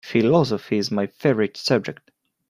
Philosophy is my favorite subject.